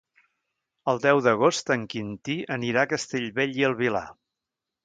El deu d'agost en Quintí anirà a Castellbell i el Vilar.